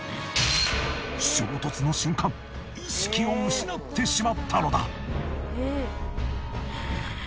衝突の瞬間意識を失ってしまったのだ。